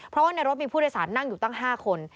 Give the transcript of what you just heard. เพราะว่าในรถมีผู้โดยสารนั่งอยู่ตั้ง๕คน